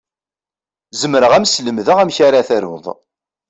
Zemreɣ ad m-slemdeɣ amek ara taruḍ.